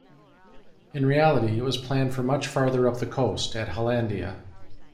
In reality it was planned for much farther up the coast, at Hollandia.